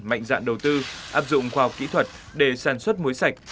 mạnh dạng đầu tư áp dụng khoa học kỹ thuật để sản xuất mối sạch